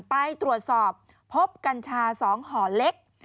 ไปตรวจสอบพบกัญชา๒ห่อเล็ก